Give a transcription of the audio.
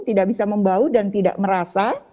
tidak bisa membau dan tidak merasa